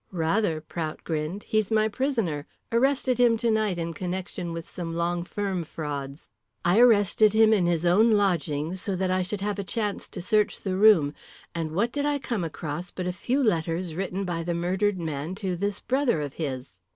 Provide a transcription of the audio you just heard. "Rather!" Prout grinned. "He's my prisoner. Arrested him tonight in connection with some long firm frauds. I arrested him in his own lodgings so that I should have a chance to search the room, and what did I come across but a few letters written by the murdered man to this brother of his."